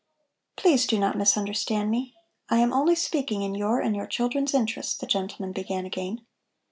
"Please do not misunderstand me. I am only speaking in your and your children's interest," the gentleman began again.